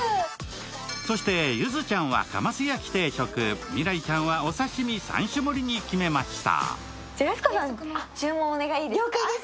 そして、ゆずちゃんはカマス焼き定食未来ちゃんはお刺身３種盛りに決めました。